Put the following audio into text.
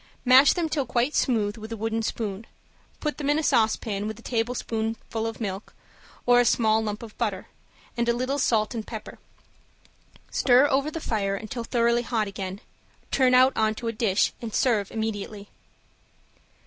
Mash them till quite smooth with a wooden spoon, put them in a saucepan with a tablespoonful of milk or a small lump of butter, and a little salt and pepper; stir over the fire until thoroughly hot again, turn out on to a dish, and serve immediately.